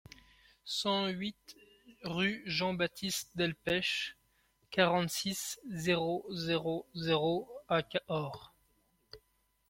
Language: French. cent huit rue Jean Baptiste Delpech, quarante-six, zéro zéro zéro à Cahors